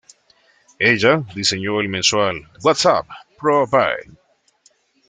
Ella diseñó el mensual "What's Up, Pro Buy!